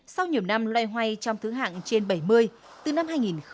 sau nhiều năm loay hoay trong thứ hạng trên bảy mươi từ năm hai nghìn một mươi